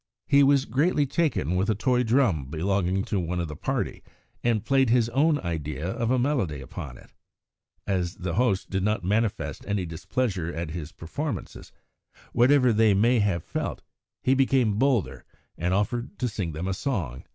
He was greatly taken with a toy drum belonging to one of the party, and played his own idea of a melody upon it. As his hosts did not manifest any displeasure at his performances whatever they may have felt he became bolder and offered to sing them a song.